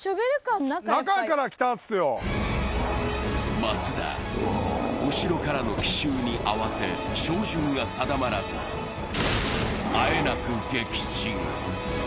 松田、後ろからの奇襲に慌て、照準が定まらず、あえなく撃沈。